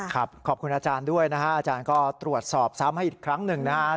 ขอบคุณอาจารย์ด้วยนะฮะอาจารย์ก็ตรวจสอบซ้ำให้อีกครั้งหนึ่งนะครับ